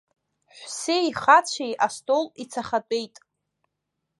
Ҳәсеи хацәеи астол ицахатәеит.